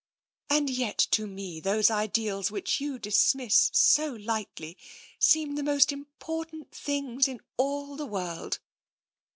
" And yet to me those ideals which you dismiss so lightly seem the most important things in all the world.